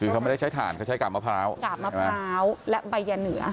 กะมะพร้าวและใบยาเหนือ